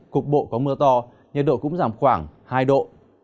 cục bộ có mưa to nhiệt độ cũng giảm khoảng hai độ